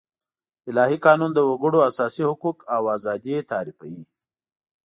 الهي قانون د وګړو اساسي حقوق او آزادي تعريفوي.